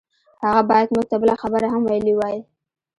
هغه بايد موږ ته بله خبره هم ويلي وای.